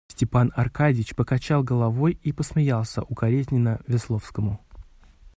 Степан Аркадьич покачал головой и посмеялся укоризненно Весловскому.